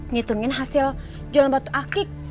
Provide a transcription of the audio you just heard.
ngitungin hasil jualan batu akik